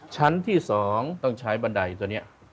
ชั้นที่๒ต้องใช้บันไดตัวนี้